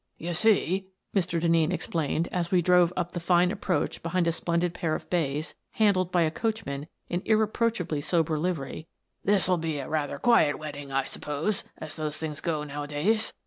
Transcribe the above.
" You see," Mr. Denneen explained, as we drove up the fine approach behind a splendid pair of bays, handled by a coachman in irreproachably sober livery, "this'U be a rather quiet wedding, I sup pose, as those things go nowadays.